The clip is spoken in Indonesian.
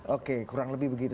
oke kurang lebih begitu